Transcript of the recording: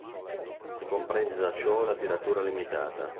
Si comprende da ciò la tiratura limitata.